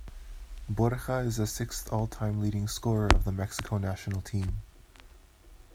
Borja is the sixth all-time leading scorer of the Mexico national team.